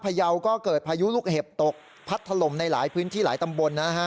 ยาวก็เกิดพายุลูกเห็บตกพัดถล่มในหลายพื้นที่หลายตำบลนะฮะ